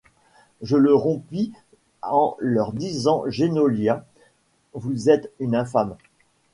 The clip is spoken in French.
Je le rompis en leur disant : Geniola, vous êtes une infâme !